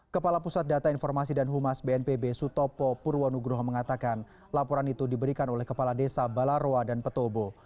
kepala pusat data informasi dan humas bnpb sutopo purwanugroho mengatakan laporan itu diberikan oleh kepala desa balaroa dan petobo